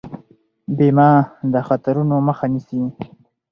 بیمه د خطرونو مخه نیسي.